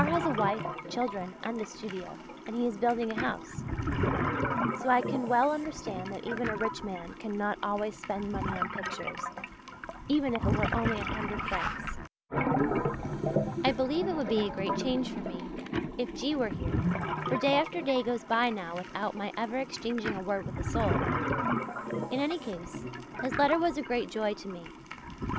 has a wife, children, and a studio, and he is building a house; so I can well understand that even a rich man cannot always spend money on pictures, even if it were only a hundred francs. I believe it would be a great change for me, if G. were here, for day after day goes by now without my ever exchanging a word with a soul. In any case his letter was a great joy to me.